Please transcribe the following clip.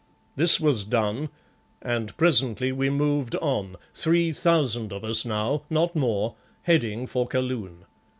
This was done, and presently we moved on, three thousand of us now, not more, heading for Kaloon.